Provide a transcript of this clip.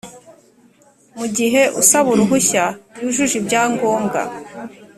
mugihe usaba uruhushya yujuje ibyangombwa,